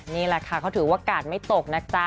นี่แหละค่ะเขาถือว่ากาดไม่ตกนะจ๊ะ